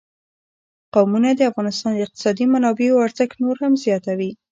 قومونه د افغانستان د اقتصادي منابعو ارزښت نور هم زیاتوي.